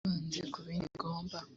yibanze ku bindi bigomba